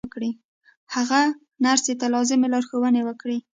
هغه نرسې ته لازمې لارښوونې وکړې